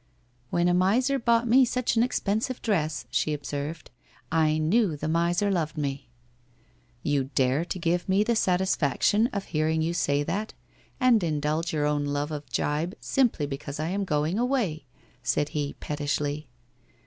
' When a miser bought me such an expensive dress/ she observed, ' I knew the miser loved me/ ' You dare to give me the satisfaction of hearing you say that, and indulge your own love of a gibe, simply because I am going away !' said he pettishly.